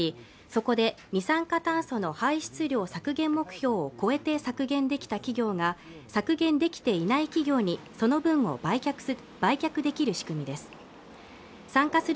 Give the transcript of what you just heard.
そこで二酸化炭素の排出量削減目標を超えて削減できた企業が削減できていない企業にその分を売却できる仕組みです